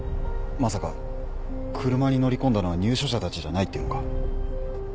まさか車に乗り込んだのは入所者たちじゃないっていうのか？